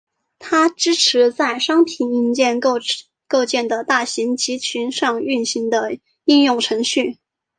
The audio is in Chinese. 它支持在商品硬件构建的大型集群上运行的应用程序。